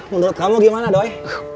menurut kamu gimana doi